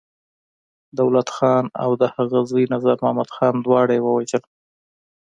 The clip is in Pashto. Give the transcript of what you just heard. دولت خان او د هغه زوی نظرمحمد خان، دواړه يې ووژل.